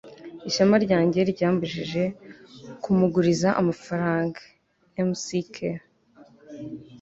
ishema ryanjye ryambujije kumuguriza amafaranga. (mcq